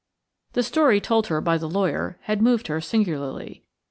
The story told her by the lawyer had moved her singularly.